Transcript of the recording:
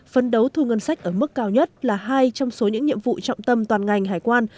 phấn đấu thu ngân sách ở mức cao nhất là hai trong số những nhiệm vụ trọng tâm toàn ngành hải quan